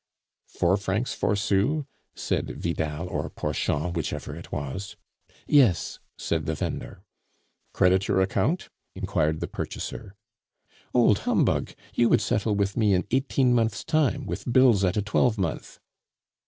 "Four francs four sous?" said Vidal or Porchon, whichever it was. "Yes," said the vendor. "Credit your account?" inquired the purchaser. "Old humbug! you would settle with me in eighteen months' time, with bills at a twelvemonth."